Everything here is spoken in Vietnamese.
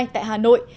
tại hà nội